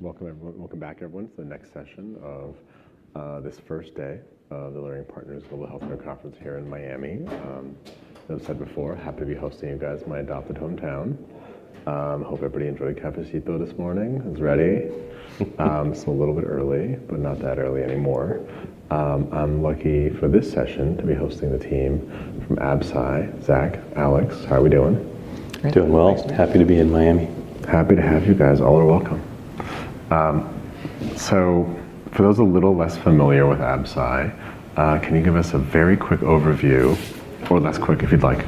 Hi. Welcome everyone. Welcome back, everyone, to the next session of this first day of the Leerink Partners Global Healthcare Conference here in Miami. As I've said before, happy to be hosting you guys in my adopted hometown. Hope everybody enjoyed cafecito this morning. I was ready. Still a little bit early, but not that early anymore. I'm lucky for this session to be hosting the team from Absci, Zach, Alex, how are we doing? Doing well. Great. Thanks. Happy to be in Miami. Happy to have you guys. Yeah. All are welcome. For those a little less familiar with Absci, can you give us a very quick overview, or less quick if you'd like,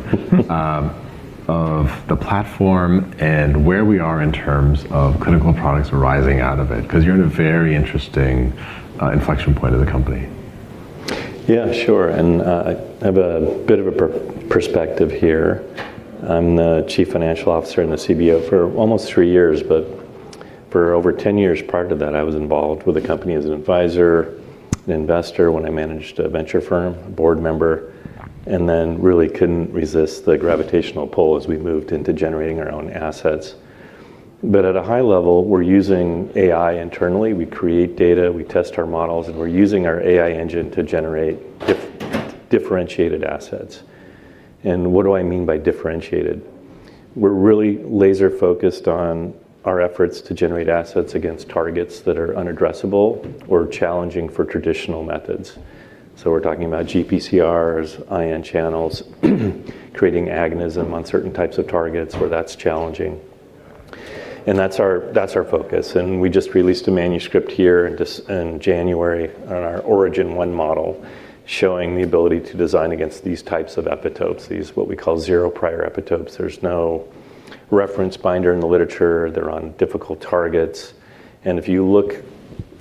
of the platform and where we are in terms of clinical products arising out of it? 'Cause you're in a very interesting inflection point of the company. Yeah, sure. I have a bit of a perspective here. I'm the chief financial officer and the CBO for almost three years, but for over 10 years prior to that, I was involved with the company as an advisor and investor when I managed a venture firm, a board member, and then really couldn't resist the gravitational pull as we moved into generating our own assets. At a high level, we're using AI internally. We create data, we test our models, and we're using our AI engine to generate differentiated assets. What do I mean by differentiated? We're really laser-focused on our efforts to generate assets against targets that are unaddressable or challenging for traditional methods. We're talking about GPCRs, ion channels, creating agonism on certain types of targets where that's challenging. That's our focus. We just released a manuscript here in January on our Origin-1 model showing the ability to design against these types of epitopes, these what we call zero prior epitopes. There's no reference binder in the literature. They're on difficult targets. If you look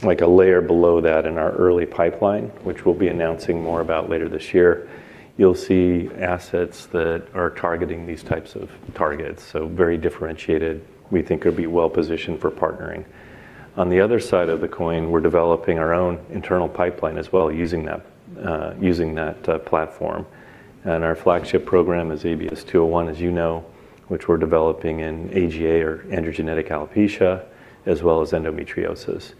like a layer below that in our early pipeline, which we'll be announcing more about later this year, you'll see assets that are targeting these types of targets, so very differentiated, we think could be well positioned for partnering. On the other side of the coin, we're developing our own internal pipeline as well, using that platform. Our flagship program is ABS-201, as you know, which we're developing in AGA, or androgenetic alopecia, as well as endometriosis.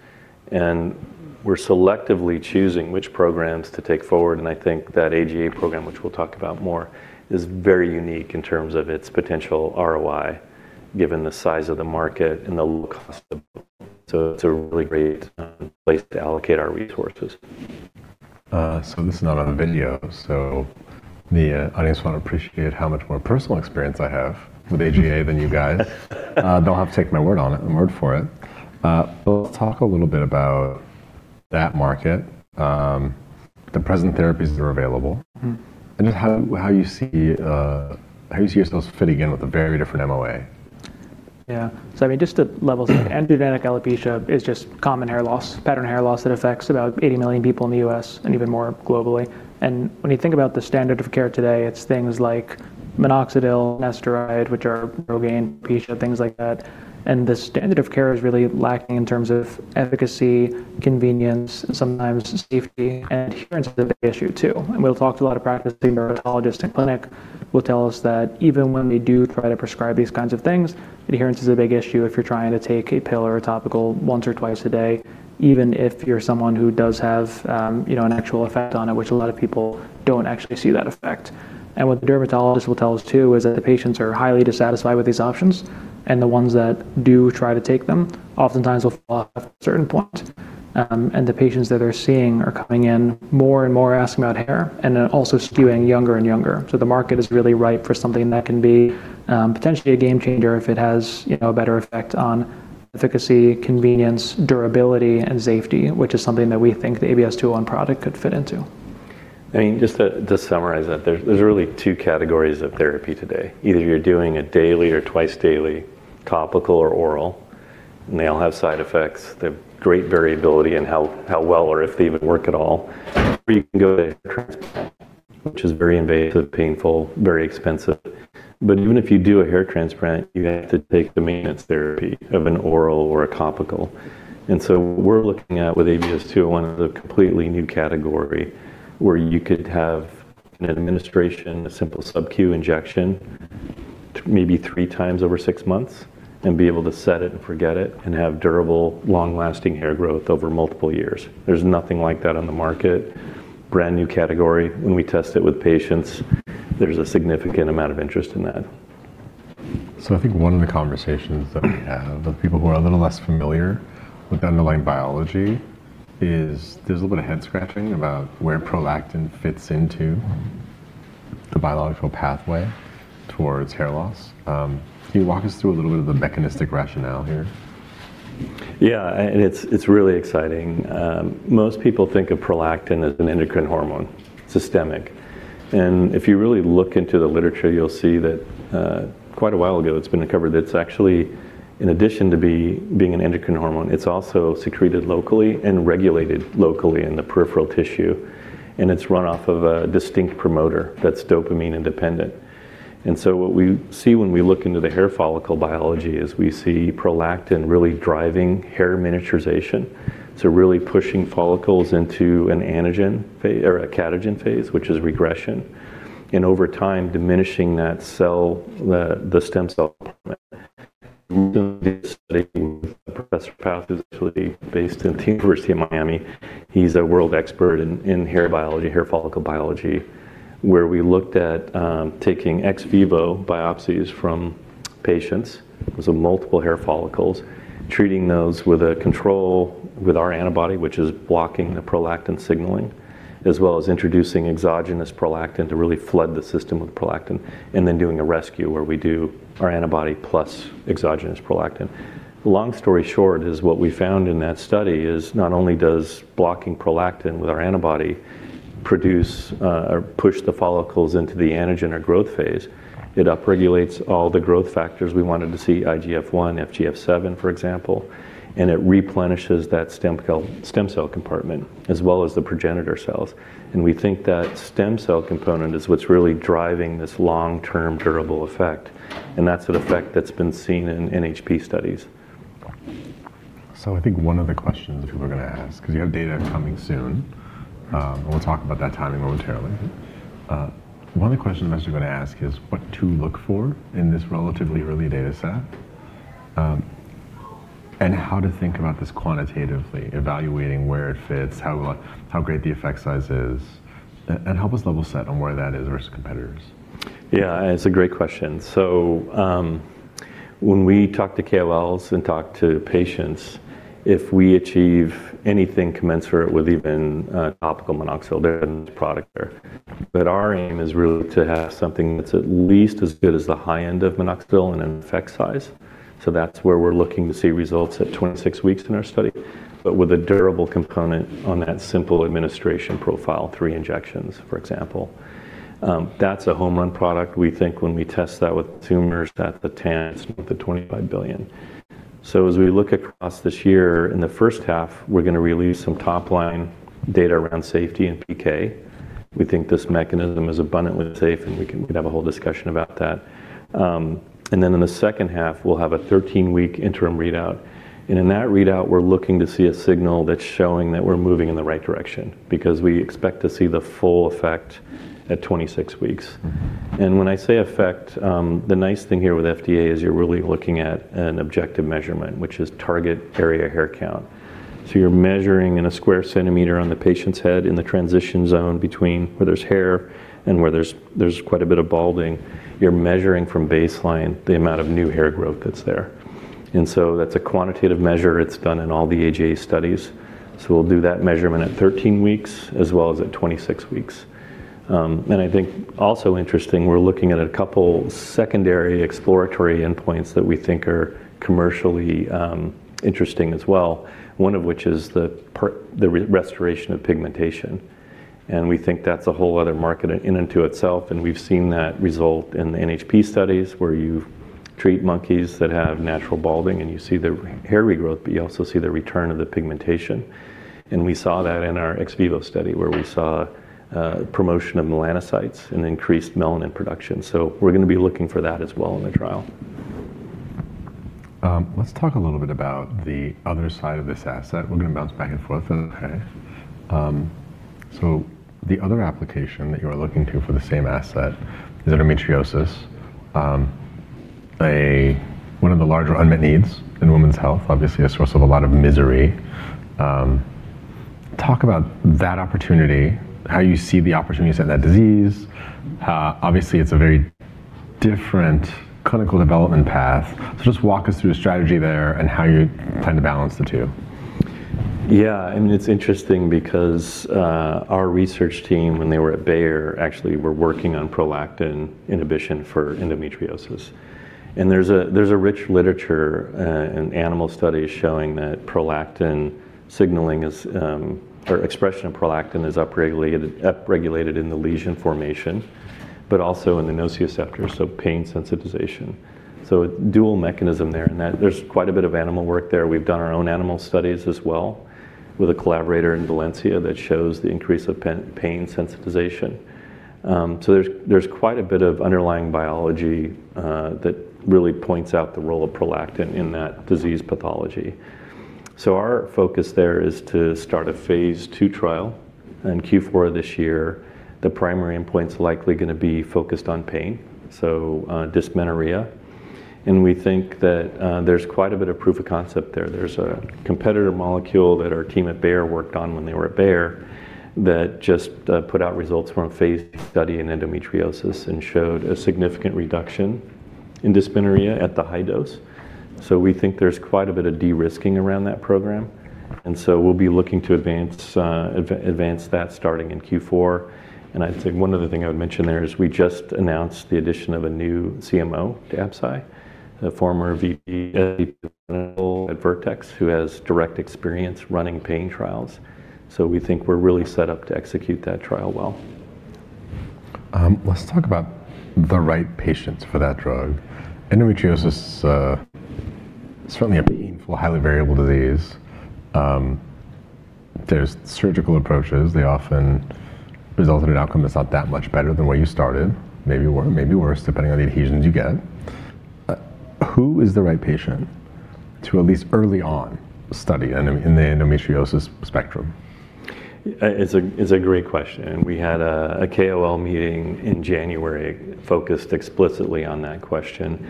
We're selectively choosing which programs to take forward, and I think that AGA program, which we'll talk about more, is very unique in terms of its potential ROI, given the size of the market and the low cost. It's a really great place to allocate our resources. This is not on video, so the audience won't appreciate how much more personal experience I have with AGA than you guys. Don't have to take my word for it. Let's talk a little bit about that market, the present therapies that are available and just how you see yourselves fitting in with a very different MOA. I mean, just to level set, androgenetic alopecia is just common hair loss, pattern hair loss that affects about 80 million people in the US and even more globally. When you think about the standard of care today, it's things like minoxidil, finasteride, which are ROGAINE, Propecia, things like that. The standard of care is really lacking in terms of efficacy, convenience, sometimes safety, and adherence is a big issue too. We'll talk to a lot of practicing dermatologists in clinic will tell us that even when they do try to prescribe these kinds of things, adherence is a big issue if you're trying to take a pill or a topical once or twice a day, even if you're someone who does have, you know, an actual effect on it, which a lot of people don't actually see that effect. What the dermatologist will tell us too is that the patients are highly dissatisfied with these options, and the ones that do try to take them oftentimes will fall off at a certain point. The patients that they're seeing are coming in more and more asking about hair and then also skewing younger and younger. The market is really ripe for something that can be, potentially a game changer if it has, you know, a better effect on efficacy, convenience, durability, and safety, which is something that we think the ABS-201 product could fit into. I mean, just to summarize that, there's really two categories of therapy today. Either you're doing a daily or twice-daily topical or oral, and they all have side effects. They have great variability in how well or if they even work at all. You can go to a transplant, which is very invasive, painful, very expensive. Even if you do a hair transplant, you have to take the maintenance therapy of an oral or a topical. What we're looking at with ABS-201 is a completely new category where you could have an administration, a simple subQ injection, maybe three times over six months and be able to set it and forget it and have durable, long-lasting hair growth over multiple years. There's nothing like that on the market. Brand-new category. When we test it with patients, there's a significant amount of interest in that. I think one of the conversations that we have with people who are a little less familiar with underlying biology is there's a little bit of head scratching about where prolactin fits into the biological pathway towards hair loss. Can you walk us through a little bit of the mechanistic rationale here? Yeah. It's really exciting. Most people think of prolactin as an endocrine hormone. It's systemic. If you really look into the literature, you'll see that quite a while ago, it's been discovered that it's actually, in addition to being an endocrine hormone, it's also secreted locally and regulated locally in the peripheral tissue, and it's run off of a distinct promoter that's dopamine independent. What we see when we look into the hair follicle biology is we see prolactin really driving hair miniaturization. Really pushing follicles into an anagen phase or a catagen phase, which is regression. Over time, diminishing that cell, the stem cell Professor Paus is actually based in the University of Miami. He's a world expert in hair biology, hair follicle biology, where we looked at, taking ex vivo biopsies from patients, so multiple hair follicles, treating those with a control with our antibody, which is blocking the prolactin signaling, as well as introducing exogenous prolactin to really flood the system with prolactin, and then doing a rescue where we do our antibody plus exogenous prolactin. Long story short is what we found in that study is not only does blocking prolactin with our antibody produce, or push the follicles into the anagen or growth phase, it upregulates all the growth factors we wanted to see, IGF-1, FGF-7, for example, and it replenishes that stem cell compartment as well as the progenitor cells. We think that stem cell component is what's really driving this long-term durable effect, and that's an effect that's been seen in NHP studies. I think one of the questions people are gonna ask, 'cause you have data coming soon, and we'll talk about that timing momentarily. One of the questions investors are gonna ask is what to look for in this relatively early data set, and how to think about this quantitatively, evaluating where it fits, how great the effect size is, and help us level set on where that is versus competitors. It's a great question. When we talk to KOLs and talk to patients, if we achieve anything commensurate with even a topical minoxidil product there. Our aim is really to have something that's at least as good as the high end of minoxidil in an effect size. That's where we're looking to see results at 26 weeks in our study, but with a durable component on that simple administration profile, three injections, for example. That's a home run product. We think when we test that with tumors, that the TAM is worth $25 billion. As we look across this year, in the first half, we're gonna release some top line data around safety and PK. We think this mechanism is abundantly safe, and we can have a whole discussion about that. In the second half, we'll have a 13 week interim readout. In that readout, we're looking to see a signal that's showing that we're moving in the right direction because we expect to see the full effect at 26 weeks. When I say effect, the nice thing here with FDA is you're really looking at an objective measurement, which is target area hair count. You're measuring in a square centimeter on the patient's head in the transition zone between where there's hair and where there's quite a bit of balding. You're measuring from baseline the amount of new hair growth that's there. That's a quantitative measure. It's done in all the AGA studies. We'll do that measurement at 13 weeks as well as at 26 weeks. I think also interesting, we're looking at a couple secondary exploratory endpoints that we think are commercially, interesting as well, one of which is the restoration of pigmentation. We think that's a whole other market in and to itself, and we've seen that result in the NHP studies where you treat monkeys that have natural balding and you see the hair regrowth, but you also see the return of the pigmentation. We saw that in our ex vivo study where we saw promotion of melanocytes and increased melanin production. We're gonna be looking for that as well in the trial. Let's talk a little bit about the other side of this asset. We're gonna bounce back and forth, okay? The other application that you're looking to for the same asset is endometriosis. One of the larger unmet needs in women's health, obviously a source of a lot of misery. Talk about that opportunity, how you see the opportunity to set that disease. Obviously, it's a very different clinical development path. Just walk us through the strategy there and how you plan to balance the two. Yeah. I mean, it's interesting because our research team, when they were at Bayer, actually were working on prolactin inhibition for endometriosis. There's a rich literature and animal studies showing that prolactin signaling is or expression of prolactin is upregulated in the lesion formation, but also in the nociceptors, so pain sensitization. A dual mechanism there. That there's quite a bit of animal work there. We've done our own animal studies as well with a collaborator in Valencia that shows the increase of pan-pain sensitization. There's quite a bit of underlying biology that really points out the role of prolactin in that disease pathology. Our focus there is to start a phase II trial in Q4 this year. The primary endpoint's likely gonna be focused on pain, so dysmenorrhea. We think that there's quite a bit of proof of concept there. There's a competitor molecule that our team at Bayer worked on when they were at Bayer that just put out results from a phase II study in endometriosis and showed a significant reduction in dysmenorrhea at the high dose. We think there's quite a bit of de-risking around that program, we'll be looking to advance that starting in Q4. I'd say one other thing I would mention there is we just announced the addition of a new CMO to Absci, a former VP at Vertex who has direct experience running pain trials. We think we're really set up to execute that trial well. Let's talk about the right patients for that drug. Endometriosis is certainly a painful, highly variable disease. There's surgical approaches. They often result in an outcome that's not that much better than where you started, maybe more, maybe worse, depending on the adhesions you get. Who is the right patient to at least early on study in the endometriosis spectrum. It's a great question. We had a KOL meeting in January focused explicitly on that question.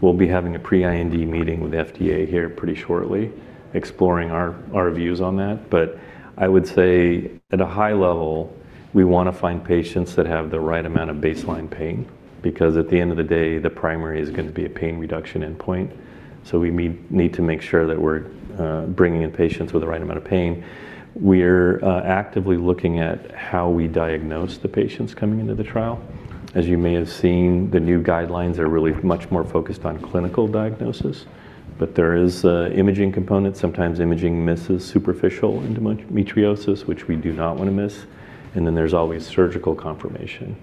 We'll be having a pre-IND meeting with FDA here pretty shortly exploring our views on that. I would say at a high level, we wanna find patients that have the right amount of baseline pain, because at the end of the day, the primary is gonna be a pain reduction endpoint. We need to make sure that we're bringing in patients with the right amount of pain. We're actively looking at how we diagnose the patients coming into the trial. As you may have seen, the new guidelines are really much more focused on clinical diagnosis, but there is a imaging component. Sometimes imaging misses superficial endometriosis, which we do not wanna miss. There's always surgical confirmation.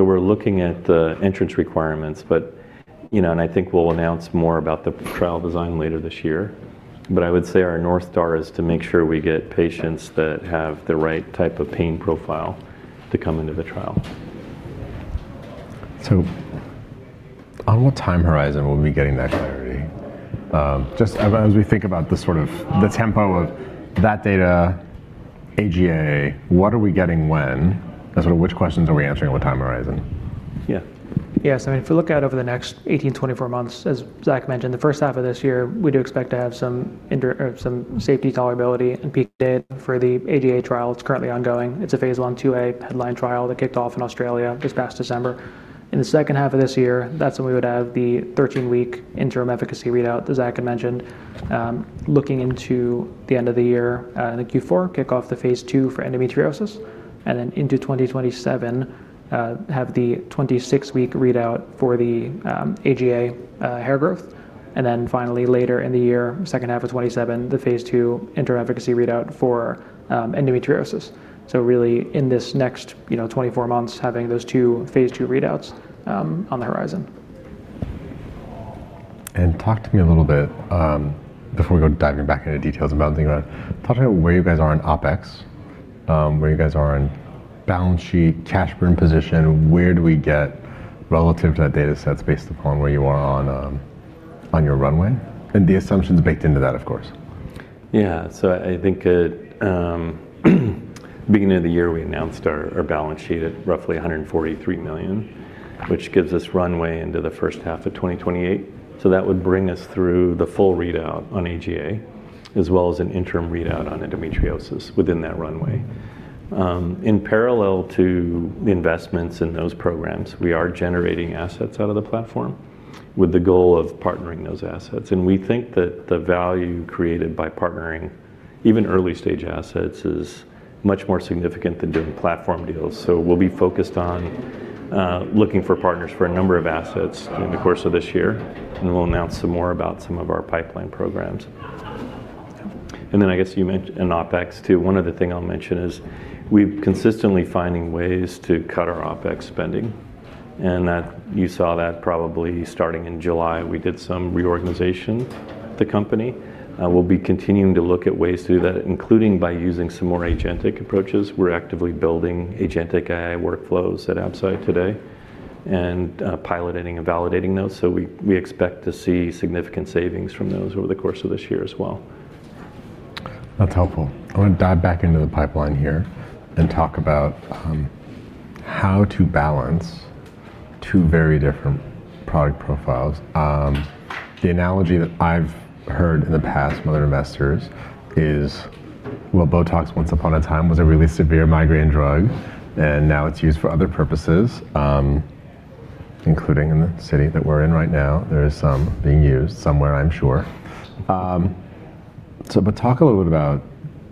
We're looking at the entrance requirements, but, you know, and I think we'll announce more about the trial design later this year. I would say our North Star is to make sure we get patients that have the right type of pain profile to come into the trial. On what time horizon will we be getting that clarity? Just as we think about the sort of the tempo of that data, AGA, what are we getting when? Sort of which questions are we answering on what time horizon? Yeah. I mean, if we look out over the next 18 to 24 months, as Zach mentioned, the first half of this year, we do expect to have some safety tolerability and PK data for the AGA trial. It's currently ongoing. It's a phase I/IIa HEADLINE trial that kicked off in Australia this past December. In the second half of this year, that's when we would have the 13 week interim efficacy readout that Zach had mentioned. Looking into the end of the year, in the Q4, kick off the phase II for endometriosis, and then into 2027, have the 26 week readout for the AGA hair growth. Finally, later in the year, second half of 2027, the phase II interim efficacy readout for endometriosis. Really in this next, you know, 24 months, having those two phase II readouts, on the horizon. Talk to me a little bit, before we go diving back into details about anything. Talk about where you guys are in OpEx, where you guys are in balance sheet, cash burn position, where do we get relative to that data sets based upon where you are on your runway, and the assumptions baked into that, of course. Yeah. I think at beginning of the year, we announced our balance sheet at roughly $143 million, which gives us runway into the first half of 2028. That would bring us through the full readout on AGA, as well as an interim readout on endometriosis within that runway. In parallel to the investments in those programs, we are generating assets out of the platform with the goal of partnering those assets. We think that the value created by partnering even early-stage assets is much more significant than doing platform deals. We'll be focused on looking for partners for a number of assets during the course of this year, and we'll announce some more about some of our pipeline programs. Yeah. I guess you mentioned an OpEx too. One other thing I'll mention is we're consistently finding ways to cut our OpEx spending. You saw that probably starting in July. We did some reorganization of the company. We'll be continuing to look at ways to do that, including by using some more agentic approaches. We're actively building agentic AI workflows at Absci today and piloting and validating those. We expect to see significant savings from those over the course of this year as well. That's helpful. I wanna dive back into the pipeline here and talk about how to balance two very different product profiles. The analogy that I've heard in the past from other investors is, well, BOTOX once upon a time was a really severe migraine drug, and now it's used for other purposes, including in the city that we're in right now. There is some being used somewhere, I'm sure. Talk a little bit about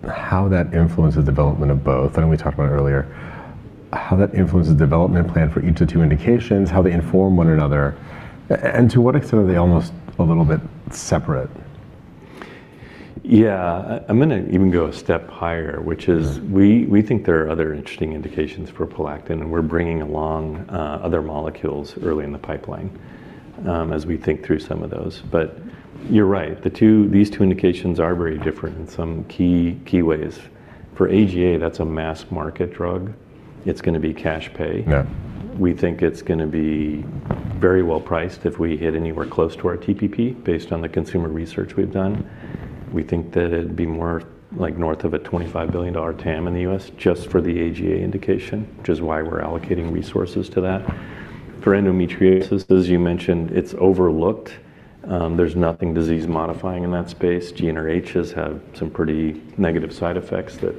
how that influenced the development of both. I know we talked about it earlier, how that influenced the development plan for each of two indications, how they inform one another and to what extent are they almost a little bit separate? Yeah. I'm gonna even go a step higher, which is- Yeah ...we think there are other interesting indications for prolactin, and we're bringing along other molecules early in the pipeline, as we think through some of those. You're right, these two indications are very different in some key ways. For AGA, that's a mass market drug. It's gonna be cash pay. Yeah. We think it's gonna be very well priced if we hit anywhere close to our TPP based on the consumer research we've done. We think that it'd be more like north of a $25 billion TAM in the US just for the AGA indication, which is why we're allocating resources to that. For endometriosis, as you mentioned, it's overlooked. There's nothing disease modifying in that space. GnRHs have some pretty negative side effects that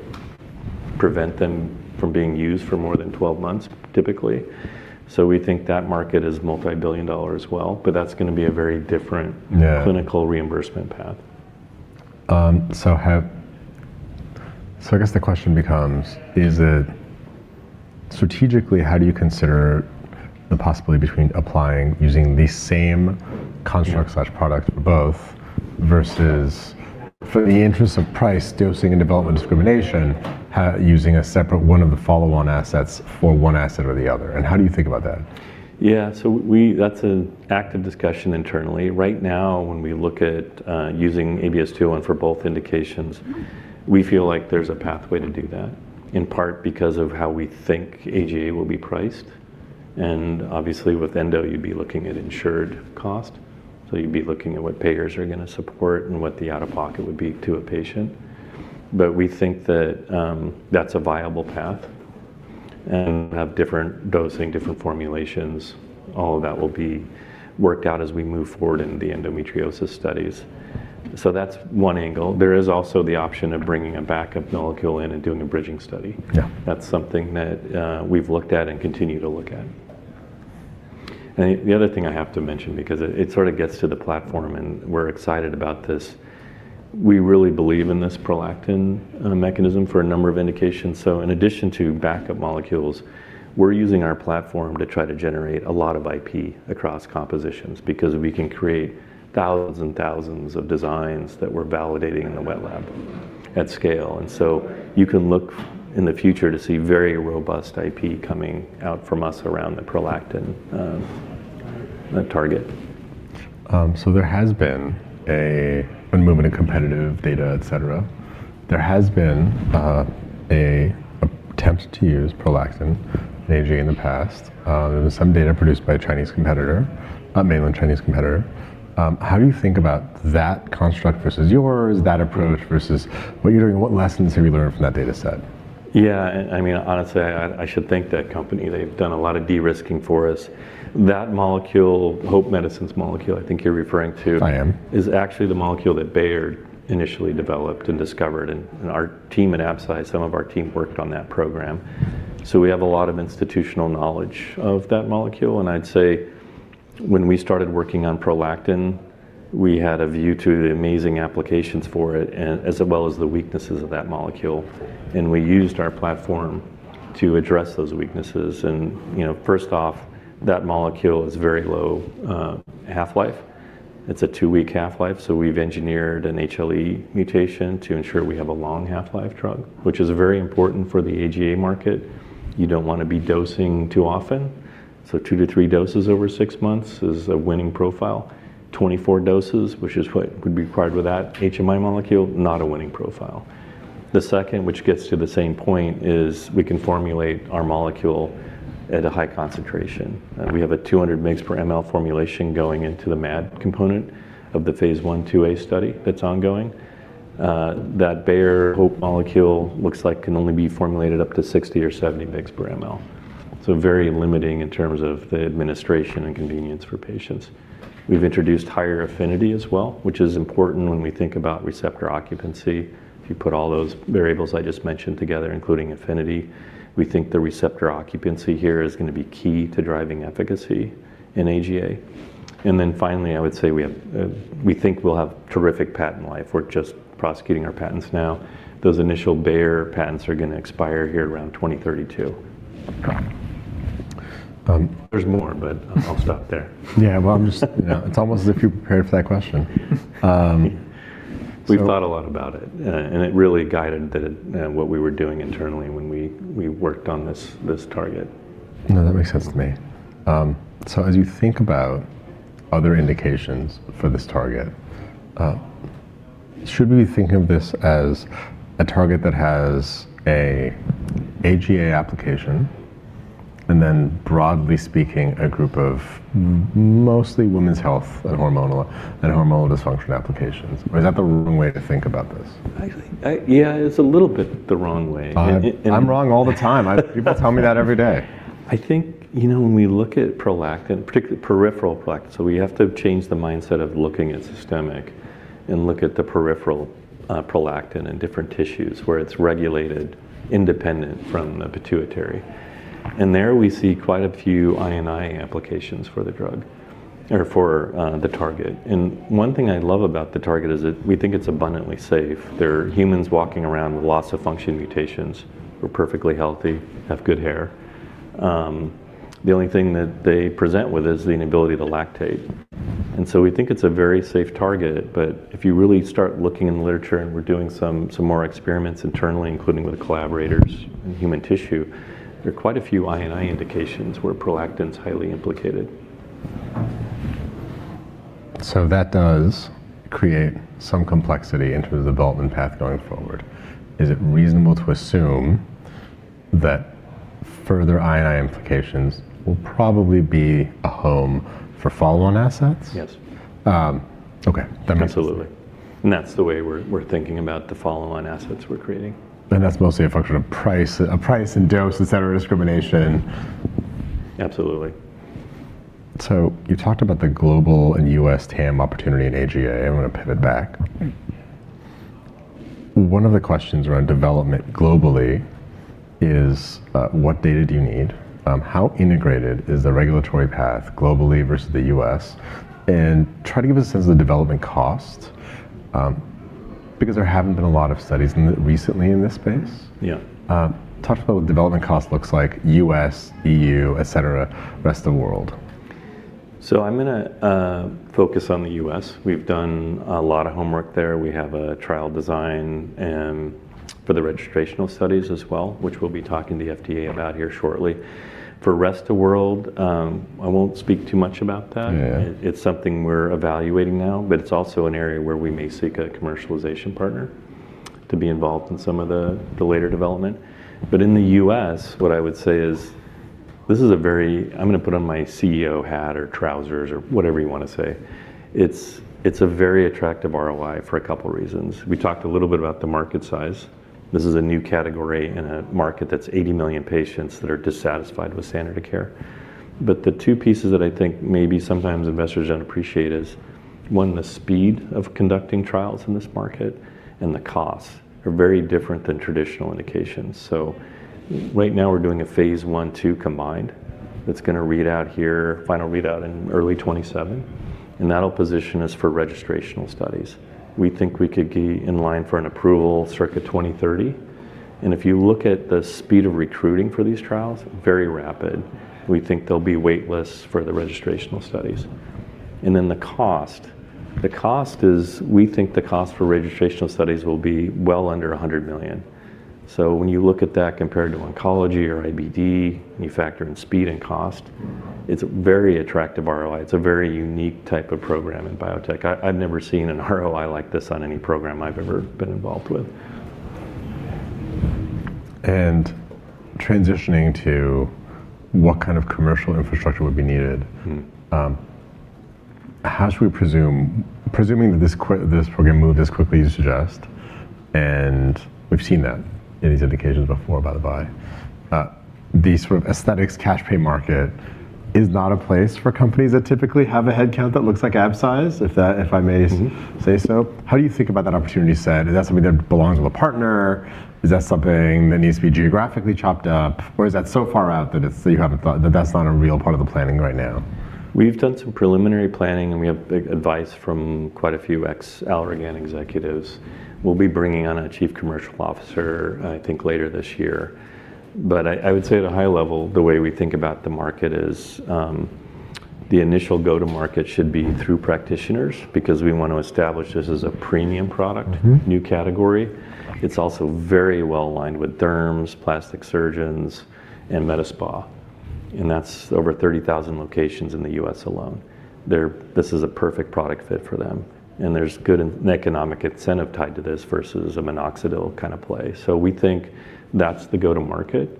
prevent them from being used for more than 12 months, typically. We think that market is multi-billion dollar as well, but that's gonna be a very different clinical reimbursement path. Yeah. I guess the question becomes, Strategically, how do you consider the possibility between applying using the same construct/product both versus for the interest of price, dosing, and development discrimination, using a separate one of the follow-on assets for one asset or the other, and how do you think about that? Yeah. That's an active discussion internally. Right now, when we look at using ABS-201 for both indications, we feel like there's a pathway to do that, in part because of how we think AGA will be priced. Obviously with endo you'd be looking at insured cost, so you'd be looking at what payers are gonna support and what the out-of-pocket would be to a patient. We think that that's a viable path, and have different dosing, different formulations, all of that will be worked out as we move forward in the endometriosis studies. That's one angle. There is also the option of bringing a backup molecule in and doing a bridging study. Yeah. That's something that we've looked at and continue to look at. The other thing I have to mention, because it sort of gets to the platform and we're excited about this, we really believe in this prolactin mechanism for a number of indications. In addition to backup molecules, we're using our platform to try to generate a lot of IP across compositions, because we can create thousands and thousands of designs that we're validating in the wet lab at scale. You can look in the future to see very robust IP coming out from us around the prolactin target. There has been a movement in competitive data, et cetera. There has been a attempt to use prolactin in AGA in the past. There was some data produced by a Chinese competitor, a mainland Chinese competitor. How do you think about that construct versus yours, that approach versus what you're doing? What lessons have you learned from that data set? I mean, honestly, I should thank that company. They've done a lot of de-risking for us. That molecule, Hope Medicine's molecule, I think you're referring to is actually the molecule that Bayer initially developed and discovered. I am Our team at Absci, some of our team worked on that program. We have a lot of institutional knowledge of that molecule, and I'd say when we started working on prolactin, we had a view to the amazing applications for it and as well as the weaknesses of that molecule, and we used our platform to address those weaknesses. You know, first off, that molecule has a very low half-life. It's a two week half-life, so we've engineered an HLE mutation to ensure we have a long half-life drug, which is very important for the AGA market. You don't wanna be dosing too often, so two to three doses over six months is a winning profile. 24 doses, which is what would be required with that HMI molecule, not a winning profile. The second, which gets to the same point, is we can formulate our molecule at a high concentration. We have a 200 mgs/mL formulation going into the MAD component of the Phase I/IIa study that's ongoing. That Bayer Hope molecule looks like it can only be formulated up to 60 or 70 mgs/mL, very limiting in terms of the administration and convenience for patients. We've introduced higher affinity as well, which is important when we think about receptor occupancy. If you put all those variables I just mentioned together, including affinity, we think the receptor occupancy here is gonna be key to driving efficacy in AGA. Finally, I would say we think we'll have terrific patent life. We're just prosecuting our patents now. Those initial Bayer patents are gonna expire here around 2032. There's more, but I'll stop there. Yeah, well It's almost as if you prepared for that question. We've thought a lot about it, and it really guided the, what we were doing internally when we worked on this target. No, that makes sense to me. As you think about other indications for this target, should we think of this as a target that has a AGA application, and then broadly speaking, a group of mostly women's health and hormonal dysfunction applications? Or is that the wrong way to think about this? Yeah, it's a little bit the wrong way. I'm wrong all the time. People tell me that every day. I think, you know, when we look at prolactin, particularly peripheral prolactin, so we have to change the mindset of looking at systemic and look at the peripheral prolactin in different tissues where it's regulated independent from the pituitary. There we see quite a few I&I applications for the drug, or for the target. One thing I love about the target is that we think it's abundantly safe. There are humans walking around with loss of function mutations who are perfectly healthy, have good hair. The only thing that they present with is the inability to lactate. We think it's a very safe target, but if you really start looking in the literature and we're doing some more experiments internally, including with collaborators in human tissue, there are quite a few I&I indications where prolactin's highly implicated. That does create some complexity in terms of development path going forward. Is it reasonable to assume that further I&I implications will probably be a home for follow-on assets? Yes. Okay. That makes sense. Absolutely. That's the way we're thinking about the follow-on assets we're creating. That's mostly a function of price, a price and dose, etc., discrimination. Absolutely. You talked about the global and U.S. TAM opportunity in AGA. I'm gonna pivot back. One of the questions around development globally is, what data do you need? How integrated is the regulatory path globally versus the U.S.? Try to give us a sense of the development cost, because there haven't been a lot of studies recently in this space. Yeah. Talk to what the development cost looks like US, EU, etc., rest of the world. I'm gonna focus on the U.S. We've done a lot of homework there. We have a trial design, and for the registrational studies as well, which we'll be talking to the FDA about here shortly. For rest of world, I won't speak too much about that. Yeah. It's something we're evaluating now, but it's also an area where we may seek a commercialization partner. To be involved in some of the later development but in the U.S., what I would say is this is a very. I'm gonna put on my CEO hat or trousers or whatever you wanna say. It's a very attractive ROI for a couple reasons. We talked a little bit about the market size. This is a new category in a market that's 80 million patients that are dissatisfied with standard of care. The two pieces that I think maybe sometimes investors don't appreciate is one, the speed of conducting trials in this market and the costs are very different than traditional indications. Right now, we're doing a phase I/II combined that's gonna read out here, final readout in early 2027, and that'll position us for registrational studies. We think we could be in line for an approval circa 2030. If you look at the speed of recruiting for these trials, very rapid. We think there'll be wait lists for the registrational studies. Then the cost is, we think the cost for registrational studies will be well under $100 million. When you look at that compared to oncology or IBD, and you factor in speed and cost. Mm-hmm. It's a very attractive ROI. It's a very unique type of program in biotech. I've never seen an ROI like this on any program I've ever been involved with. transitioning to what kind of commercial infrastructure would be needed. Mm. How should we presume, presuming that this program moved as quickly as you suggest, and we've seen that in these indications before, by the by, the sort of aesthetics cash pay market is not a place for companies that typically have a headcount that looks like Absci, if that, if I may. Mm-hmm. say so. How do you think about that opportunity set? Is that something that belongs with a partner? Is that something that needs to be geographically chopped up, or is that so far out that it's, that you haven't thought, that that's not a real part of the planning right now? We've done some preliminary planning, and we have big advice from quite a few ex-Allergan executives. We'll be bringing on a chief commercial officer, I think, later this year. I would say at a high level, the way we think about the market is, the initial go-to-market should be through practitioners because we want to establish this as a premium product-. Mm-hmm. New category. It's also very well aligned with derms, plastic surgeons, and med spa, that's over 30,000 locations in the U.S. alone. This is a perfect product fit for them, there's good an economic incentive tied to this versus a minoxidil kinda play. We think that's the go-to-market.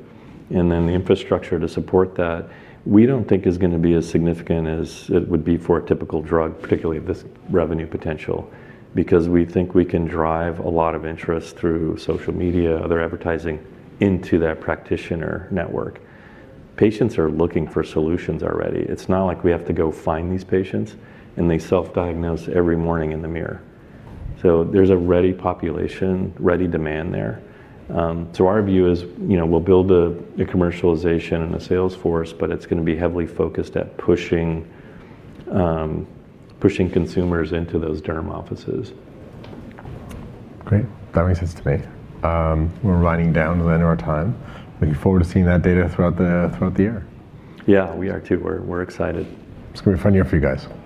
The infrastructure to support that we don't think is gonna be as significant as it would be for a typical drug, particularly this revenue potential, because we think we can drive a lot of interest through social media, other advertising into that practitioner network. Patients are looking for solutions already. It's not like we have to go find these patients, they self-diagnose every morning in the mirror. There's a ready population, ready demand there. Our view is, you know, we'll build a commercialization and a sales force, but it's gonna be heavily focused at pushing consumers into those derm offices. Great. That makes sense to me. We're winding down to the end of our time. Looking forward to seeing that data throughout the year. Yeah. We are too. We're excited. It's gonna be a fun year for you guys. Cool.